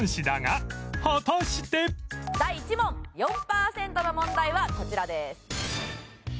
第１問４パーセントの問題はこちらです。